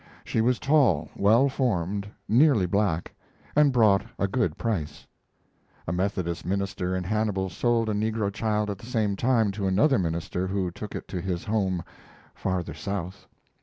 She was tall, well formed, nearly black, and brought a good price. A Methodist minister in Hannibal sold a negro child at the same time to another minister who took it to his home farther South.